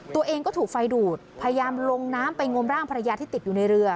ตัวเองก็ถูกไฟดูดพยายามลงน้ำไปงมร่างภรรยาที่ติดอยู่ในเรือ